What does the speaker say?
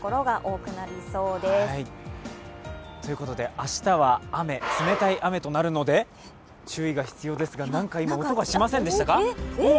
明日は冷たい雨となるので注意が必要ですがなんか今、音がしませんでしたか？